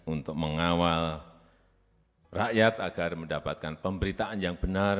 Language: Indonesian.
untuk mengawal rakyat agar mendapatkan pemberitaan yang benar